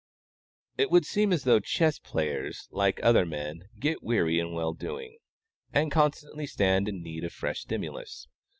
It would seem as though chess players, like other men, "get weary in well doing," and constantly stand in need of fresh stimulus.